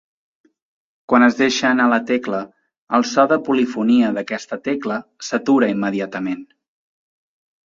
Quan es deixa anar la tecla, el to de polifonia d'aquesta tecla s'atura immediatament.